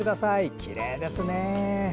きれいですね。